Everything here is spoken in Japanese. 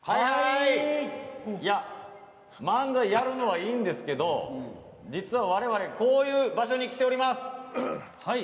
漫才やるのはいいんですけど実は我々こういう場所に来ております。